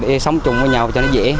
để sống chung với nhau cho nó dễ